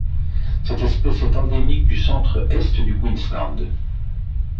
Cette espèce est endémique du centre-Est du Queensland.